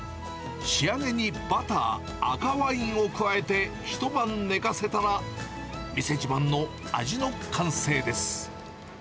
仕上げにバター、赤ワインを加えて一晩寝かせたら、店自慢の味の完成です。